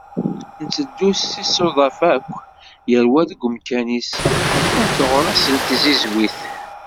Nteddu s yisuḍaf akk, yal wa deg umkan-is, am teɣrast n tzizwit.